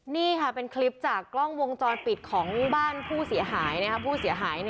นี้คิปจากกล้องวงจอลปิดของบ้านผู้เสียหาย